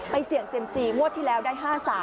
เสี่ยงเซียมซีงวดที่แล้วได้๕๓